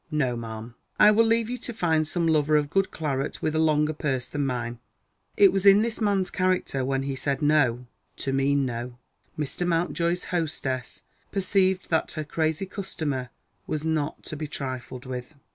No, ma'am; I will leave you to find some lover of good claret with a longer purse than mine." It was in this man's character, when he said No, to mean No. Mr. Mountjoy's hostess perceived that her crazy customer was not to be trifled with.